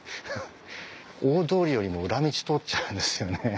大通りよりも裏道通っちゃうんですよね。